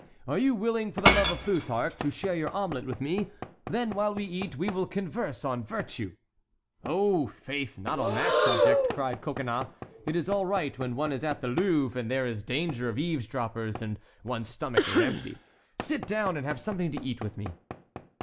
Are you willing for the love of Plutarch to share your omelet with me? Then while we eat we will converse on virtue!" "Oh, faith, not on that subject," cried Coconnas. "It is all right when one is at the Louvre and there is danger of eavesdroppers and one's stomach is empty. Sit down and have something to eat with me."